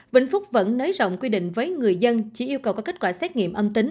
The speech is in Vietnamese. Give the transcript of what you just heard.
vĩnh phúc vẫn nới rộng quy định với người dân chỉ yêu cầu có kết quả xét nghiệm âm tính